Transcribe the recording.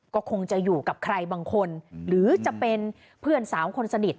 ก็คงจะอยู่กับใครบางคนหรือจะเป็นเพื่อนสาวคนสนิท